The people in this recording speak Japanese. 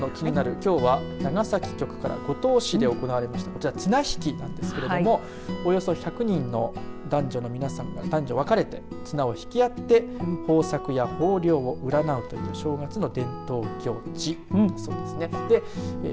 きょうは長崎局から五島市で行われましたこちら綱引きなんですけれどもおよそ１００人の男女の皆さんが男女分かれて綱を引き合って豊作や豊漁を占うという正月の伝統行事なんだそうですね。